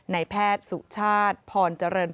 ในแพทย์สุชาติผอนเจริญพงร์